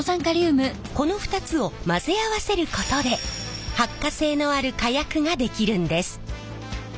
この２つを混ぜ合わせることで発火性のある火薬が出来るんです。